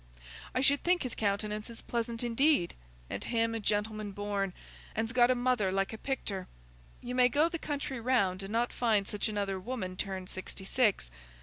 "I should think his countenance is pleasant indeed! And him a gentleman born, and's got a mother like a picter. You may go the country round and not find such another woman turned sixty six.